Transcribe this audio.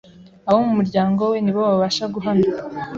abo mu muryango we ni bo babasha guhamya